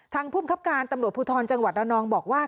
ภูมิคับการตำรวจภูทรจังหวัดระนองบอกว่า